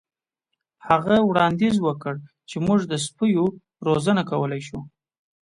هغه وړاندیز وکړ چې موږ د سپیو روزنه کولی شو